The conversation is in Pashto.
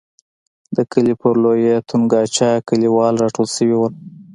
د کلي پر لویه تنګاچه کلیوال را ټول شوي وو.